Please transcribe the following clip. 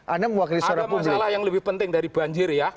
ada masalah yang lebih penting dari banjir ya